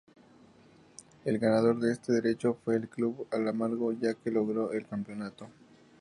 El ganador de este derecho fue el Club Almagro, ya que logró el campeonato.